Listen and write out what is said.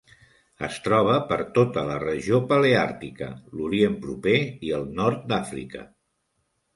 Es troba per tota la regió paleàrtica, l'Orient Proper i el nord d'Àfrica.